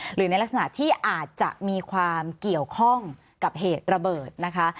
หรือในลักษณะที่อาจจะมีความเกี่ยวข้องกับเหตุระเบิดนะคะ